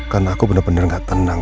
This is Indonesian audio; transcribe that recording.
karena aku bener bener gak tenang